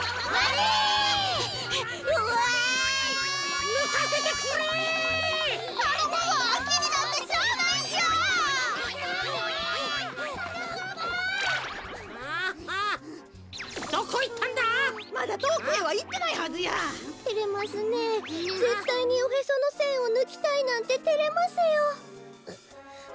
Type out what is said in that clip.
ぜったいにおへそのせんをぬきたいなんててれますよ。